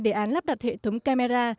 đề án lắp đặt hệ thống camera